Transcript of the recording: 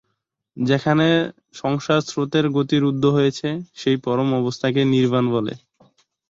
যেখানে সংসার স্রোতের গতি রুদ্ধ হয়েছে, সেই পরম অবস্থা কে নির্বাণ বলে।